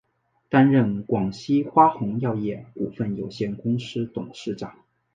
担任广西花红药业股份有限公司董事长。